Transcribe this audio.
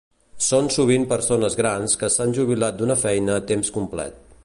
Són sovint persones grans que s'han jubilat d'una feina a temps complet.